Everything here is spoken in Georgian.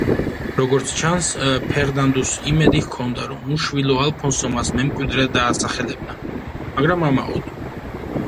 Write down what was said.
როგორც ჩანს, ფერნანდუს იმედი ჰქონდა, რომ უშვილო ალფონსო მას მემკვიდრედ დაასახელებდა, მაგრამ ამაოდ.